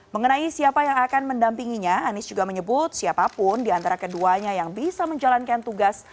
mengenai siapa yang akan mendampinginya anies juga menyebut siapapun diantara keduanya yang bisa menjalankan tugas